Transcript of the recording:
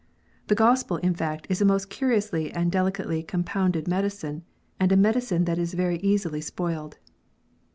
The Gospel in fact is a most curiously and delicately compounded medicine, and a medicine that is very easily spoiled.